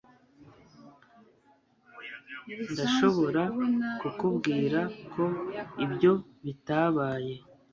ndashobora kukubwira ko ibyo bitabaye